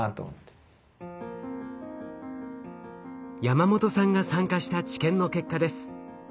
ヤマモトさんが参加した治験の結果です。